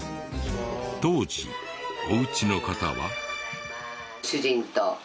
当時お家の方は。